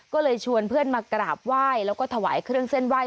ก็เลยชวนเพื่อนมากราบไหว้แล้วก็ถวายเครื่องเส้นไห้